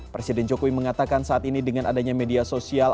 presiden jokowi mengatakan saat ini dengan adanya media sosial